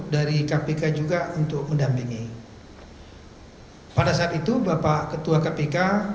dari kpk juga untuk mendampingi pada saat itu bapak ketua kpk bagus aja juga menyampaikan beliau